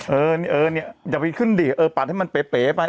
เออนี่อย่าไปขึ้นดิเออป่านให้มันเป๋ไป